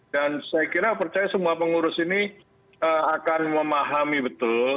dan saya kira percaya semua pengurus ini akan memahami betul